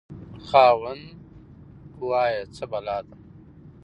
خاوند: وایه څه بلا ده؟